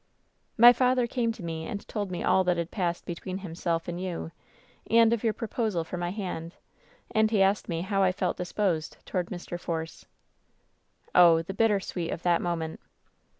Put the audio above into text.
"My father came to me and told me all that had passed between himself and you, and of your proposal for my hand, and he asked me how I felt disposed to ward ^Mr. Force.^ "Oh ! the bitter sweet of that moment.